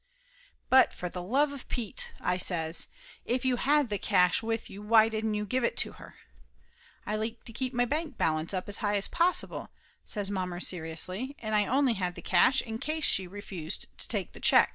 "But for the love of Pete!" I says. "If you had the cash with you why didn't you give it to her?" "I like to keep my bank balance up as high as pos sible," says mommer seriously. "And I only had the cash in case she refused to take the check."